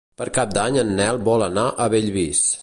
Per Cap d'Any en Nel vol anar a Bellvís.